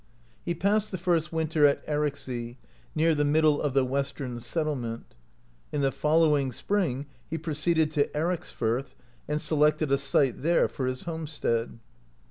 He passed the first winter at Ericsey, near the middle of the West ern settlement, In the following spring he proceeded to Ericsfirth, and selected a site there for his homestead.